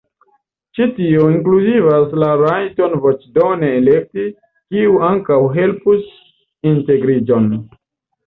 Ĉi tio inkluzivas la rajton voĉdone elekti, kiu ankaŭ helpus integriĝon.